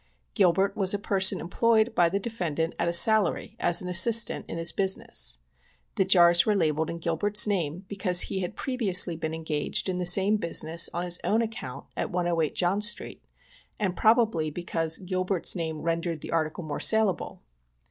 Gilbert was a per son employed by the defendant at a salary, as an assistant^ in his business. The jars were labelled in Gilbert's name^ because he had previously been engaged in the same busi ness on his own account, at 108 John street, and probably because Gilbert's name rendered the article more saleable.